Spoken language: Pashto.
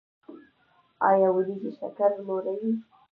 ایا وریجې شکر لوړوي؟